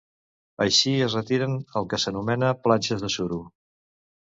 Així es retiren el que s'anomena planxes de suro.